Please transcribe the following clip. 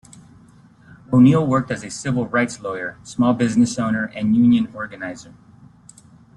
O'Neill worked as a civil rights lawyer, small business owner, and union organizer.